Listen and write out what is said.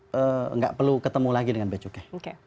tidak perlu ketemu lagi dengan baju kek